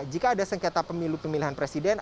jika ada sengketa pemilu pemilihan presiden